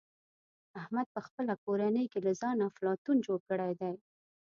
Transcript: احمد په خپله کورنۍ کې له ځانه افلاطون جوړ کړی دی.